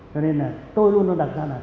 cho nên là tôi luôn đặt ra là